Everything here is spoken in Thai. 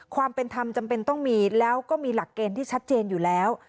ความเป็นธรรมจำเป็นต้องมีแล้วก็มีหลักเกณฑ์ที่ชัดเจนอยู่แล้ว